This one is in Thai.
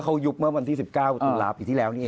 เขายุบเมื่อวันที่๑๙งราวอยู่ที่แล้วเนี่ย